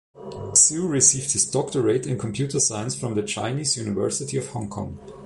Xu received his doctorate in computer science from the Chinese University of Hong Kong.